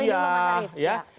tanggapi dulu pak sharif